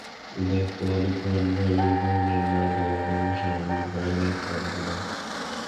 উদয়াদিত্য অনেকক্ষণ ভাবিয়া কহিলেন, না দাদামহাশয়, আমি পলাইতে পারিব না।